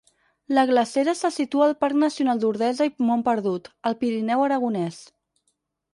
La glacera se situa al Parc Nacional d'Ordesa i Mont Perdut, al Pirineu aragonès.